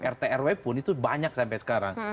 rtrw pun itu banyak sampai sekarang